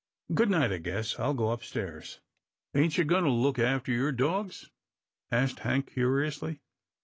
Good night, I guess I'll go upstairs." " Ain't you going to look after your dogs ?" asked Hank, curiously.